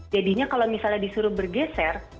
jadinya kalau misalnya disuruh bergeser